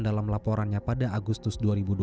dalam laporannya pada agustus dua ribu dua puluh